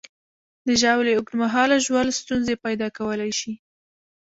د ژاولې اوږد مهاله ژوول ستونزې پیدا کولی شي.